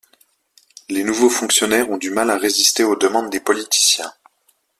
Les nouveaux fonctionnaires ont du mal à résister aux demandes des politiciens.